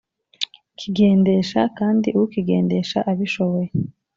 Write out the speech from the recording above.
kigendesha kandi ukigendesha abishoboye